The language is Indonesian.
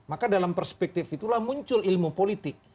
maka dalam perspektif itulah muncul ilmu politik